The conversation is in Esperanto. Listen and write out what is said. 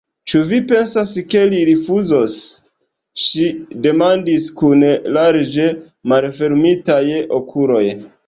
Ĉu vi pensas, ke li rifuzos? ŝi demandis kun larĝe malfermitaj okuloj.